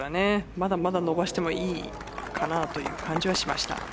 まだまだ伸ばしてもいいかなというような感じはしました。